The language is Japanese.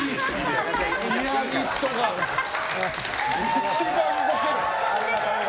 ピアニストが一番ボケる。